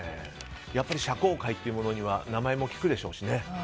やっぱり社交界というものには名前もきくでしょうしね。